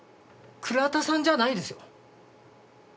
倉田さんじゃないですよ？